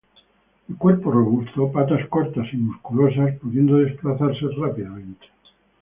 De cuerpo robusto, patas cortas y musculosas, pudiendo desplazarse rápidamente.